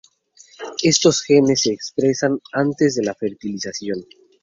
Estos genes se expresan antes de la fertilización.